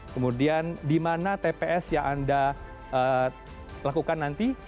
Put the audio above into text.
kemudian di mana tps yang anda lakukan nanti